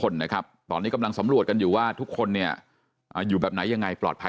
แล้วก็รอดูว่าถ้ามันอันตรายกว่านี้ก็ค่อยว่ากันใหม่นะค่ะ